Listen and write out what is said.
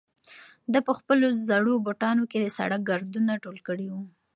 ده په خپلو زړو بوټانو کې د سړک ګردونه ټول کړي وو.